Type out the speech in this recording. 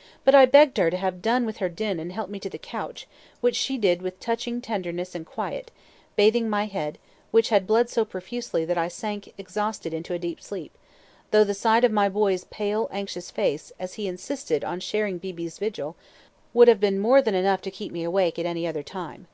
] But I begged her to have done with her din and help me to the couch, which she did with touching tenderness and quiet, bathing my head, which had bled so profusely that I sank, exhausted, into a deep sleep, though the sight of my boy's pale, anxious face, as he insisted on sharing Beebe's vigil, would have been more than enough to keep me awake at any other time.